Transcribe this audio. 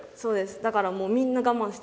だからもうみんな我慢してるんです。